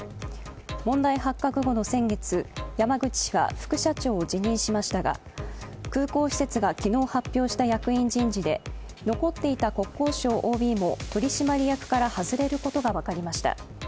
問題発覚後の先月、山口氏は副社長を辞任しましたが、空港施設が昨日発表した役員人事で、残っていた国交省ＯＢも取締役から外れることが分かりました。